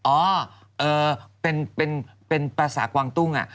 อ้าวเป็นภาษากวางตุ้งอ่ะ